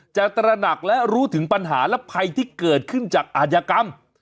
ตระหนักและรู้ถึงปัญหาและภัยที่เกิดขึ้นจากอาชญากรรม